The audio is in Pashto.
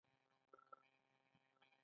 دوکاندار د خپلو ماشومانو روزنې ته پام کوي.